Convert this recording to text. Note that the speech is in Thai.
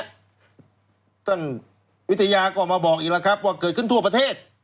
ท่านวิทยาก็มาบอกอีกแล้วครับว่าเกิดขึ้นทั่วประเทศ